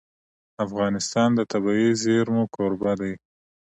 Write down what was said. افغانستان د طبیعي زیرمې کوربه دی.